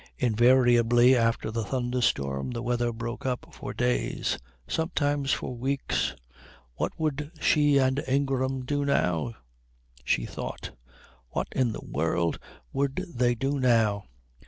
Invariably after a thunderstorm the weather broke up for days, sometimes for weeks. What would she and Ingram do now? she thought; what in the world would they do now?